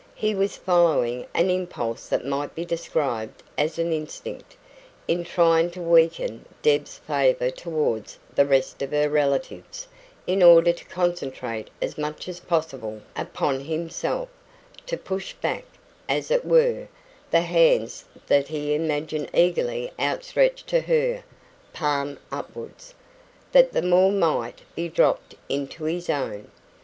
He was following an impulse that might be described as an instinct, in trying to weaken Deb's favour towards the rest of her relatives in order to concentrate as much as possible upon himself to push back, as it were, the hands that he imagined eagerly outstretched to her (palm upwards), that the more might be dropped into his own.